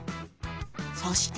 そして。